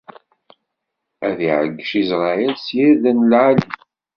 Ad iɛeyyec Isṛayil s yirden lɛali.